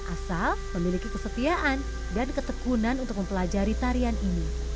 asal memiliki kesetiaan dan ketekunan untuk mempelajari tarian ini